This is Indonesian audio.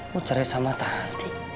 lo cerai sama tanti